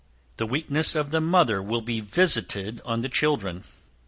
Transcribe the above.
The weakness of the mother will be visited on the children!